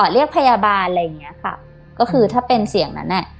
เรียกพยาบาลอะไรอย่างเงี้ยค่ะก็คือถ้าเป็นเสียงนั้นอ่ะ